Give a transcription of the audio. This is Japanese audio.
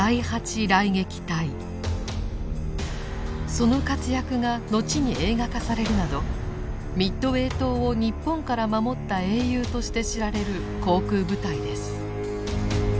その活躍がのちに映画化されるなどミッドウェー島を日本から守った英雄として知られる航空部隊です。